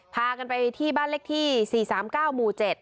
พากันไปที่บ้านเลขที่๔๓๙หมู่๗